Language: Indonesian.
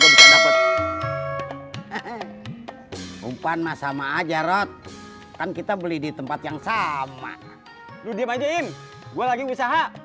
umpan sama aja rot kan kita beli di tempat yang sama lu diem aja im gua lagi wisaha